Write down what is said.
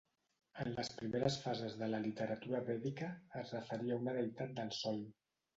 En les primeres fases de la literatura vèdica, es referia a una deïtat del sol.